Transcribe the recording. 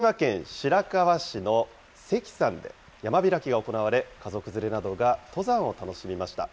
本格的な登山シーズンを前に、福島県白河市の関山で、山開きが行われ、家族連れなどが登山を楽しみました。